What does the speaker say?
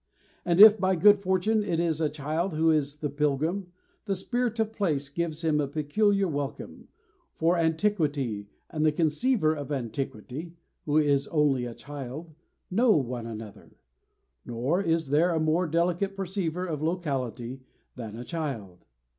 And if by good fortune it is a child who is the pilgrim, the spirit of place gives him a peculiar welcome, for antiquity and the conceiver of antiquity (who is only a child) know one another; nor is there a more delicate perceiver of locality than a child.